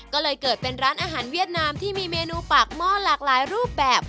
ก็เลยเกิดเป็นร้านอาหารเวียดนามที่มีเมนูปากหม้อหลากหลายรูปแบบ